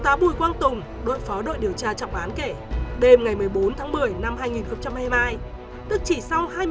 tá bùi quang tùng đối phó đội điều tra trọng án kể đêm ngày một mươi bốn tháng một mươi năm hai nghìn hai mươi hai tức chỉ sau hai mươi bốn